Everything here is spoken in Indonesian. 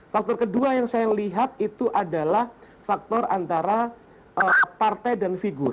faktor kedua yang saya lihat itu adalah faktor antara partai dan figur